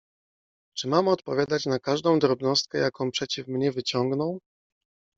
— Czy mam odpowiadać na każdą drobnostkę, jaką przeciw mnie wyciągną?